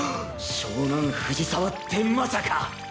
湘南藤沢ってまさか。